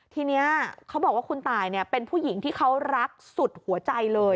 ทีนี้เขาบอกว่าคุณตายเป็นผู้หญิงที่เขารักสุดหัวใจเลย